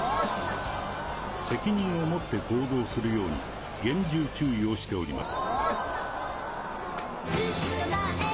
責任を持って行動するように、厳重注意をしております。